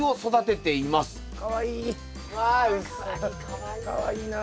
かわいいな。